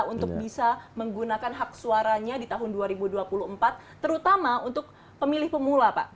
untuk bisa menggunakan hak suaranya di tahun dua ribu dua puluh empat terutama untuk pemilih pemula pak